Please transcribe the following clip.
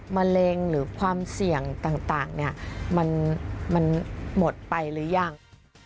มะเร็งหรือความเสี่ยงต่างมันหมดไปหรือยัง